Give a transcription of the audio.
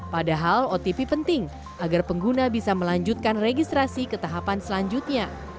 padahal otp penting agar pengguna bisa melanjutkan registrasi ke tahapan selanjutnya